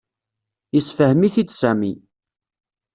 Yessefhem-it-id Sami.